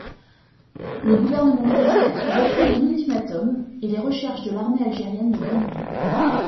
Le gouvernement français refuse l'ultimatum et les recherches de l'armée algérienne ne donnent rien.